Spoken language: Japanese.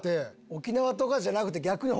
沖縄とかじゃなくて逆に。